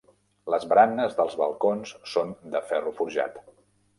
Les baranes dels balcons són de ferro forjat.